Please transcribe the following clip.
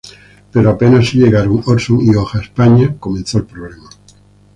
Pero apenas si llegaron Orson y Oja a España, el problema comenzó.